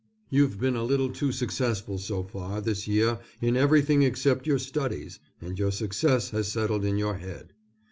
You've been a little too successful so far this year in everything except your studies, and your success has settled in your head.